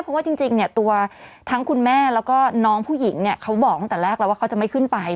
เพราะว่าจริงเนี่ยตัวทั้งคุณแม่แล้วก็น้องผู้หญิงเนี่ยเขาบอกตั้งแต่แรกแล้วว่าเขาจะไม่ขึ้นไป